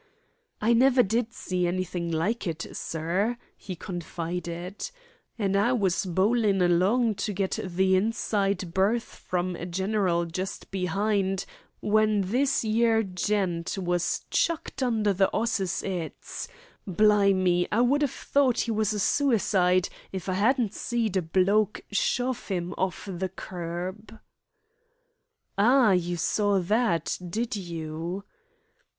"I never did see anything like it, sir," he confided. "The road was quite clear, an' I was bowlin' along to get the inside berth from a General just behind, when this yer gent was chucked under the 'osses' 'eds. Bli me, I would ha' thort 'e was a suicide if I 'adn't seed a bloke shove 'im orf the kerb." "Oh, you saw that, did you?"